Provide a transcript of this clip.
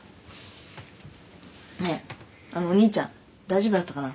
ねえあのお兄ちゃん大丈夫だったかな？